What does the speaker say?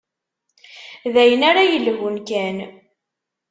D ayen ara yelhun kan.